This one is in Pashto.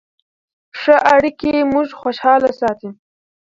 ښه اړیکې موږ خوشحاله ساتي.